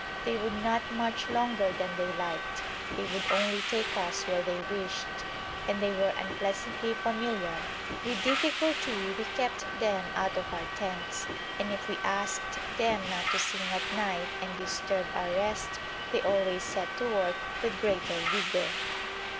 They would not march longer than they liked; they would only take us where they wished, and they were unpleasantly familiar; with difficulty we kept them out of our tents, and if we asked them not to sing at night and disturb our rest, they always set to work with greater vigour.